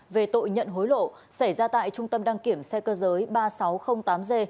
về tội nhận hối lộ xảy ra tại trung tâm đăng kiểm xe cơ giới ba nghìn sáu trăm linh tám g